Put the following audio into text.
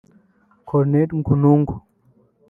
Col Gunungu